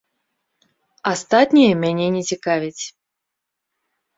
Астатняе мяне не цікавіць.